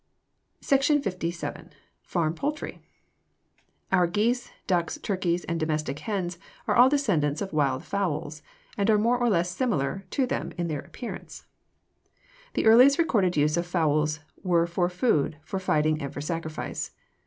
SECTION LVII. FARM POULTRY Our geese, ducks, turkeys, and domestic hens are all descendants of wild fowls, and are more or less similar to them in appearance. The earliest recorded uses of fowls were for food, for fighting, and for sacrifice.